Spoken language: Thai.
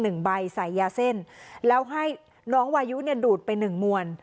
หนึ่งใบใส่ยาเส้นแล้วให้น้องวายุดูดเป็นหนึ่งมุ่น